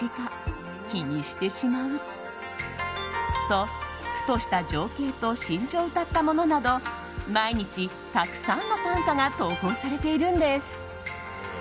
と、ふとした情景と心情を歌ったものなど毎日、たくさんの短歌が投稿されているんです。